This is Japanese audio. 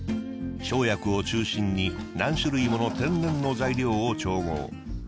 生薬を中心に何種類もの天然の材料を調合。